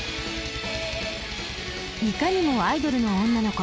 いかにもアイドルの女の子